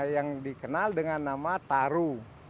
yang dikenal dengan nama taru